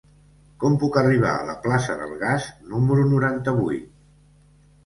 Com puc arribar a la plaça del Gas número noranta-vuit?